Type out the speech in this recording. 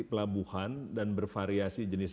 pelabuhan dan bervariasi jenis